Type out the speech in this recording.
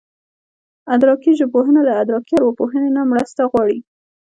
ادراکي ژبپوهنه له ادراکي ارواپوهنې نه مرسته غواړي